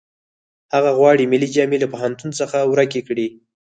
هغه غواړي ملي جامې له پوهنتون څخه ورکې کړي